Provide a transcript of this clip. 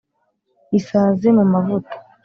isazi mu mavuta.